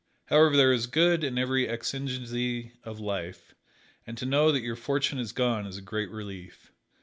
However, there is good in every exigency of life, and to know that your fortune is gone is a great relief.